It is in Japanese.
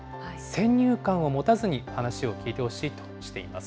先入観を持たずに話を聞いてほしいとしています。